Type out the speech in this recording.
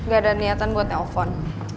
gak ada niatan buat telepon